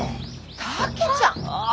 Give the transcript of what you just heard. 竹ちゃん！